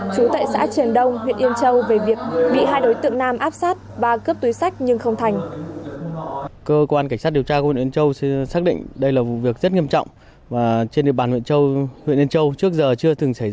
chú tại xã trần đông huyện yên châu về việc bị hai đối tượng nam áp sát